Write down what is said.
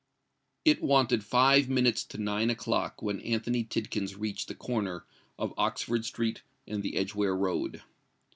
It wanted five minutes to nine o'clock when Anthony Tidkins reached the corner of Oxford Street and the Edgeware Road.